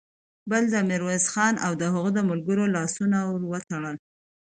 بل د ميرويس خان او د هغه د ملګرو لاسونه ور وتړل.